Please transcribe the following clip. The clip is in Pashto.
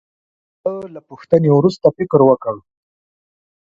هغه له پوښتنې وروسته فکر وکړ.